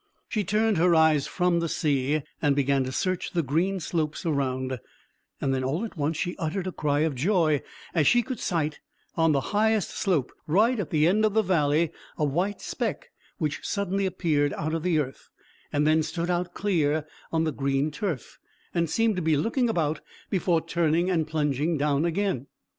She turned her eyes from the sea, and began to search the green slopes around, and then all at once she uttered a cry of joy as she could sight, on the highest slope right at the end of the valley, a white speck which suddenly appeared out of the earth, and then stood out clear on the green turf, and seemed to be looking about before turning and plunging down again.